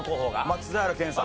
松平健さん。